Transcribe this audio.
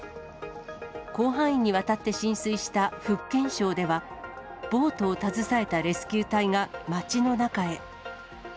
広範囲にわたって浸水した福建省では、ボートを携えたレスキュー隊が街の中へ。